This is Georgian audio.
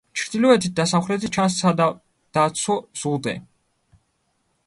ჩრდილოეთით და სამხრეთით ჩანს სათავდაცვო ზღუდე.